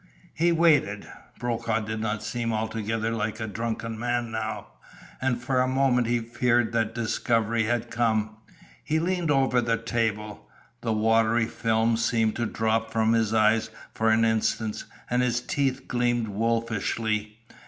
He waited. Brokaw did not seem altogether like a drunken man now, and for a moment he feared that discovery had come. He leaned over the table. The watery film seemed to drop from his eyes for an instant and his teeth gleamed wolfishly.